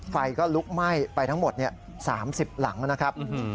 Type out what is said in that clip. ไฟก็ลุกไหม้ไปทั้งหมด๓๐หลังนะครับ